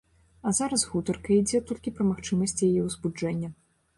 А зараз гутарка ідзе толькі пра магчымасць яе ўзбуджэння.